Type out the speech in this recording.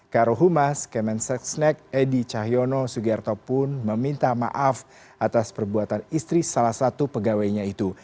karo humas kemen setsnek edi cahyono sugiyarto pun meminta maaf atas perbuatan istri salah satu pegawainya itu